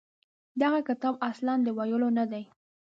دغه کتاب اصلاً د ویلو نه دی.